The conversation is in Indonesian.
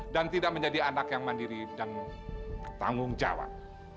dan tidak menjadi anak yang mandiri dan bertanggung jawab